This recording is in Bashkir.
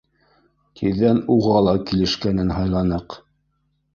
Тиҙҙән уға ла килешкәнен һайланыҡ.